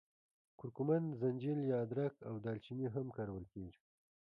کورکمن، زنجبیل یا ادرک او دال چیني هم کارول کېږي.